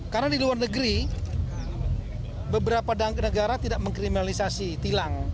karena di luar negeri beberapa negara tidak mengkriminalisasi tilang